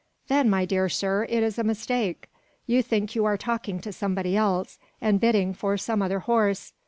"Then, my dear sir, it is a mistake. You think you are talking to somebody else, and bidding for some other horse."